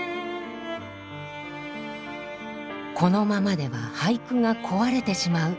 「このままでは俳句が壊れてしまう」。